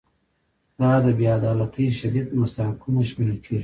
دا د بې عدالتۍ شدید مصداقونه شمېرل کیږي.